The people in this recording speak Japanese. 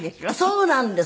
そうなんです。